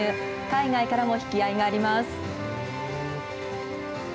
海外からも引き合いがあります。